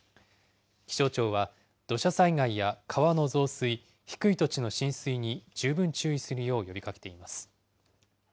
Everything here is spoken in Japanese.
気象庁は、土砂災害や川の増水、低い土地の浸水に十分注意するよう呼びかけています。